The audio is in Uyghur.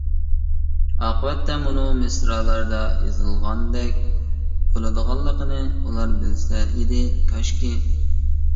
ئاقىۋەتتە مۇنۇ مىسرالاردا يېزىلغاندەك بولىدىغانلىقىنى ئۇلار بىلسە ئىدى، كاشكى!